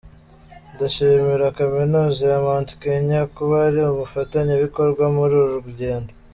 Ndashimira Kaminuza ya Mount Kenya kuba ari umufatanyabikorwa muri uru rugendo.